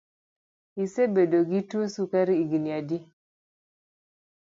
Isebedo gi tuo sukari higni adi?